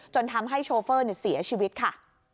ทำให้โชเฟอร์เสียชีวิตค่ะ